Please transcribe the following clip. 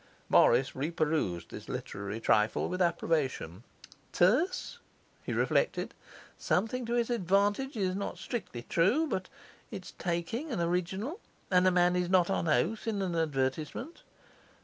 Morris reperused this literary trifle with approbation. 'Terse,' he reflected. 'Something to his advantage is not strictly true; but it's taking and original, and a man is not on oath in an advertisement.